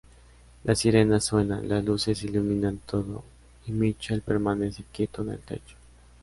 Las sirenas suenan, las luces iluminan todo y Michael permanece quieto en el techo.